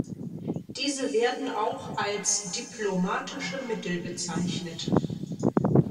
Diese werden auch als "diplomatische Mittel" bezeichnet.